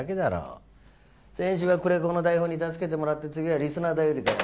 先週は久連木の台本に助けてもらって次はリスナー頼りかよ。